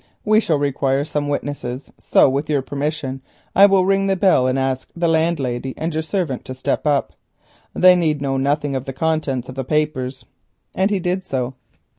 We shall require some witnesses, so with your permission I will ring the bell and ask the landlady and your servant to step up. They need know nothing of the contents of the papers," and he did so.